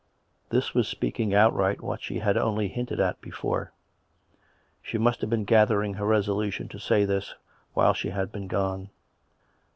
This was speaking outright what she had only hinted at before. She must have been gathering her resolution to say this, while she had been gone.